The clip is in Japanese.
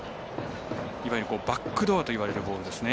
いわゆるバックドアといわれるボールですね。